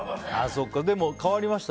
でも変わりました？